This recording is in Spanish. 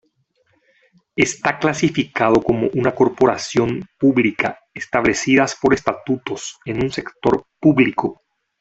Está clasificado como una corporación pública, establecidas por estatutos, en un sector público.